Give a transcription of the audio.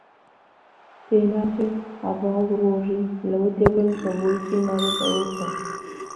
پێناچێت هەڤاڵ و ڕۆژین لەوە تێبگەن کە بۆچی نابێت ئەوە بکەن.